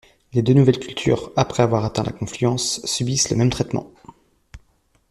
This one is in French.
Les deux nouvelles cultures, après avoir atteint la confluence, subissent le même traitement.